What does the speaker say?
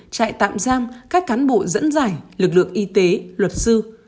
trại tạm giam các cán bộ dẫn giải lực lượng y tế luật sư